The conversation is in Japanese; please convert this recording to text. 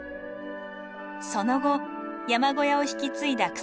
その後山小屋を引き継いだ草野さん。